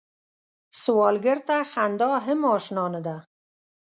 سوالګر ته خندا هم اشنا نه ده